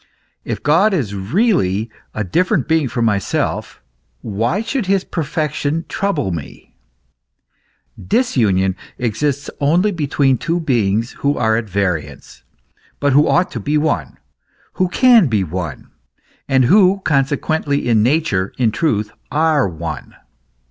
If God is really a different being from myself, why should his perfection trouble me ? Disunion exists only between beings who are at variance, but who ought to be one, who can be one, and who conse quently in nature, in truth, are one.